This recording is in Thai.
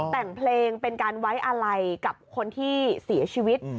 แต่งเพลงเป็นการไว้อะไรกับคนที่เสียชีวิต